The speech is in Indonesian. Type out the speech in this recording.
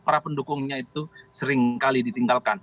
para pendukungnya itu seringkali ditinggalkan